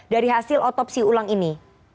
dari hasil otopsi ulang ini